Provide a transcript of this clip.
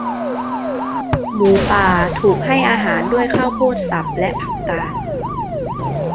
หมูป่าถูกให้อาหารด้วยข้าวโพดสับและ ผักกาด